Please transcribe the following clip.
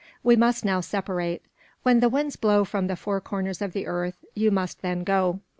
We must now separate. When the winds blow from the four corners of the earth, you must then go.